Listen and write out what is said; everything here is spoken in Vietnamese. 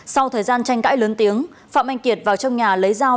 sau thời gian tranh cãi lớn tiếng phạm anh kiệt vào trong nhà lấy dao